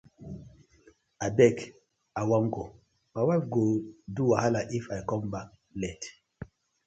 Abeg I wan go, my wife go do wahala If com back late.